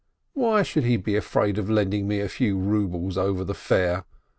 "Why should he be afraid of lending me a few rubles over the fair?